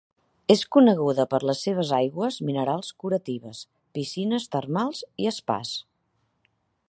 És coneguda per les seves aigües minerals curatives, piscines termals i Spas.